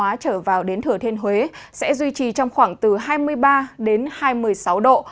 hóa trở vào đến thừa thiên huế sẽ duy trì trong khoảng từ hai mươi ba đến hai mươi sáu độ